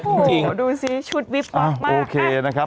จริงโอเคนะครับไปดูชุดวิบัตรมากครับโอเค